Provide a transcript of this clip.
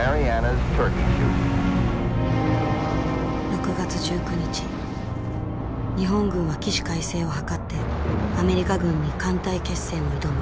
６月１９日日本軍は起死回生を図ってアメリカ軍に艦隊決戦を挑む。